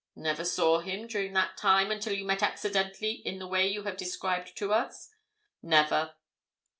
"Never saw him during that time until you met accidentally in the way you have described to us?" "Never."